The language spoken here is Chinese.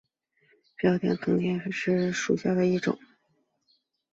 瓢箪藤棒粉虱为粉虱科棒粉虱属下的一个种。